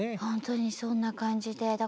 ほんとにそんな感じで。